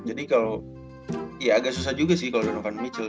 jadi kalo ya agak susah juga sih kalo donovan mitchell